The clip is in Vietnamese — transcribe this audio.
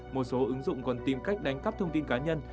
một số ứng dụng còn tìm cách đánh cắp thông tin cá nhân